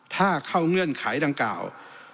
ถ้าเข้าเงื่อนไขดังกล่าว